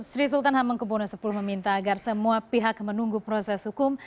sri sultan hamengkubwono x meminta agar semua pihak menunggu proses hukum